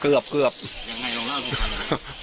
เกือบเกือบยังไงลองเล่าทุกคนอ่ะ